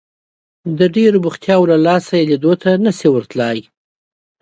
د ډېرو مصروفيتونو له لاسه يې ليدو ته نه شي ورتلای.